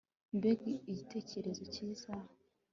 Mbega igitekerezo cyiza